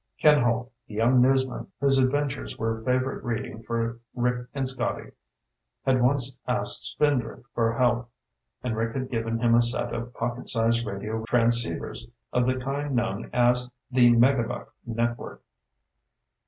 Ken Holt, the young newsman whose adventures were favorite reading for Rick and Scotty, had once asked Spindrift for help, and Rick had given him a set of pocket size radio transceivers of the kind known as "The Megabuck Network."